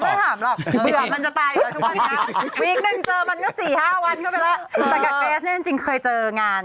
แต่กับเฮียสจริงเคยเจองาน